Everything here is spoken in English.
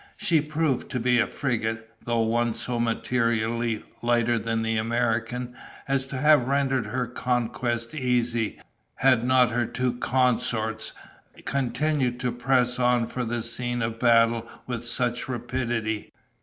She proved to be a frigate, though one so materially lighter than the American, as to have rendered her conquest easy, had not her two consorts continued to press on for the scene of battle with such rapidity.